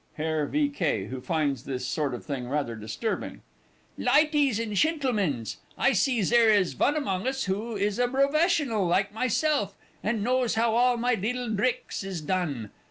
HERR V. K. (who finds this sort of thing rather disturbing). Lyties and Shentilmans, I see zere is von among us who is a brofessional like myself, and knows how all my leedle dricks is done.